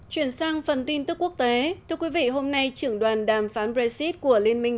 chuyển sang phần tin tức quốc tế thưa quý vị hôm nay trưởng đoàn đàm phán brexit của liên minh